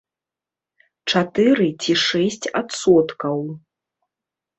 Чатыры ці шэсць адсоткаў.